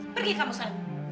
pergi kamu sekarang